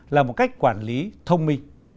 là một cách quản lý thông minh